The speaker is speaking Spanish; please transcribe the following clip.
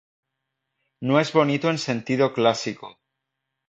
No es bonito en sentido clásico.